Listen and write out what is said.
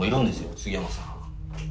杉山さん。